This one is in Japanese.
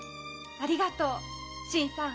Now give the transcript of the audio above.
ありがとう新さん。